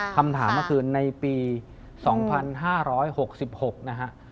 คำถามก็คือในปี๒๕๖๖นะฮะ